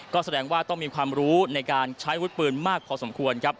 ก็แสดงว่าต้องมีความรู้ในการใช้วุฒิปืนมากพอสมควรครับ